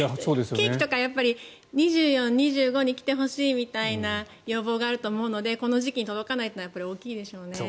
ケーキとか２４、２５に来てほしいみたいな要望があると思うのでこの時期に届かないっていうのは大きいでしょうね。